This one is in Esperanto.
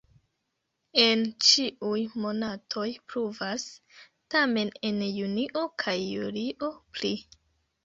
En ĉiuj monatoj pluvas, tamen en junio kaj julio pli.